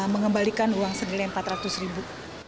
mengembalikan uang senilai empat ratus ribu